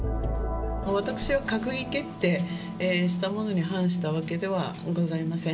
私は閣議決定したものに反したわけではございません。